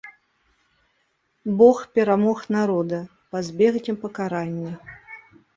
Бог перамог народа пазбегне пакарання.